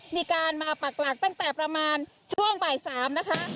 มีการมาปักหลักตั้งแต่ประมาณช่วงบ่าย๓นะคะ